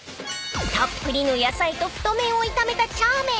［たっぷりの野菜と太麺を炒めたチャーメン］